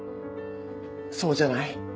そうじゃない。